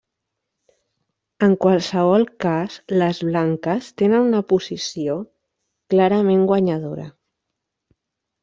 En qualsevol cas, les blanques tenen una posició clarament guanyadora.